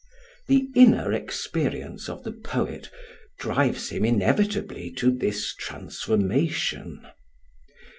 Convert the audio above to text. The inner experience of the poet drives him inevitably to this transformation.